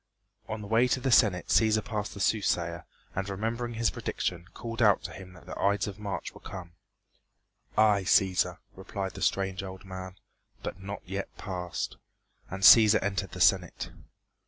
On the way to the Senate Cæsar passed the soothsayer, and remembering his prediction called out to him that the Ides of March were come. "Aye, Cæsar," replied the strange old man, "but not yet past." And Cæsar entered the Senate.